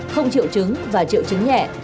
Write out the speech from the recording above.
không triệu chứng và triệu chứng nhẹ